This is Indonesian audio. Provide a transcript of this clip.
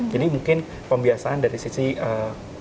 jadi mungkin pembiasaan dari sisi bagaimana kita menggunakan kursornya